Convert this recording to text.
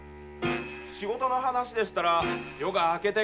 仕事の話でしたら夜が明けてからに。